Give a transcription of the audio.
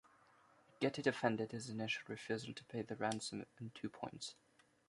Getty defended his initial refusal to pay the ransom on two points.